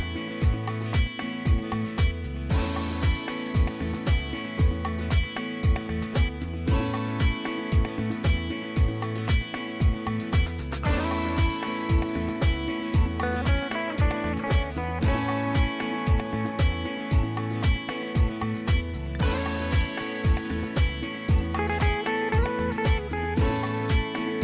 โปรดติดตามตอนต่อไป